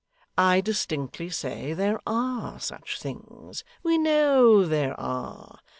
I distinctly say there are such things. We know there are.